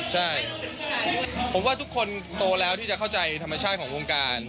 ใช่ผมว่าทุกคนโตแล้วที่จะเข้าใจธรรมชาติของวงการ